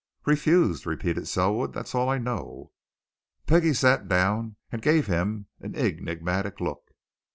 "Refused," repeated Selwood. "That's all I know." Peggie sat down and gave him an enigmatic look.